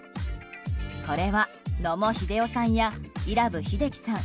これは野茂英雄さんや伊良部秀輝さん